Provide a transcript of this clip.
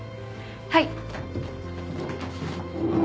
はい。